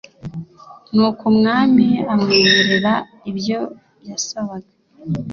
nuko umwami amwemerera ibyo yasabaga